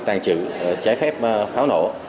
tăng trữ trái phép pháo nổ